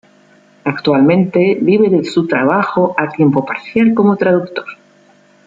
Actualmente vive de su trabajo a tiempo parcial como traductor.